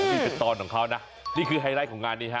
นี่เป็นตอนของเขานะนี่คือไฮไลท์ของงานนี้ฮะ